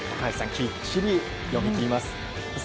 きっちり読み切ります。